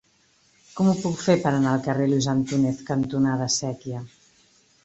Com ho puc fer per anar al carrer Luis Antúnez cantonada Sèquia?